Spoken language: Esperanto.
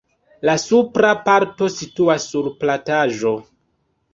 La supra parto situas sur plataĵo.